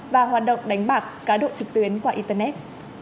và hoạt động đánh bạc cá độ trực tuyến qua internet